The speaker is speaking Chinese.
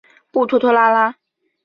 不拖拖拉拉。